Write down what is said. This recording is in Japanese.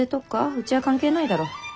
うちは関係ないだろ。